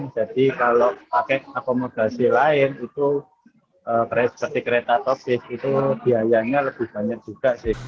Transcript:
jadi kalau paket akomodasi lain seperti kereta topis biayanya lebih banyak juga